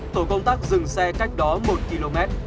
tổ công tác dừng xe cách đó một km